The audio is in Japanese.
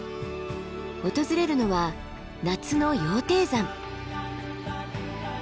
訪れるのは夏の羊蹄山。